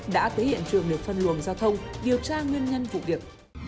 đã tới hiện trường để phân luồng giao thông điều tra nguyên nhân vụ việc